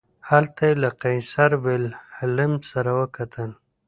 هلته یې له قیصر ویلهلم سره وکتل.